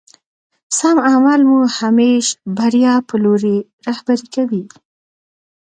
سم عمل مو همېش بريا په لوري رهبري کوي.